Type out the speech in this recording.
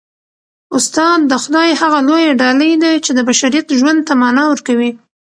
استاد د خدای هغه لویه ډالۍ ده چي د بشریت ژوند ته مانا ورکوي.